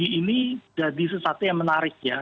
ini jadi sesuatu yang menarik ya